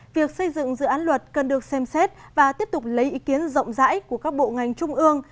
việc xây dựng dự án luật cần được xem xét và tiếp tục lấy ý kiến rộng rãi của các bộ ngành trung ương